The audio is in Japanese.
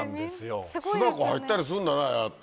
巣箱入ったりするんだねああやって。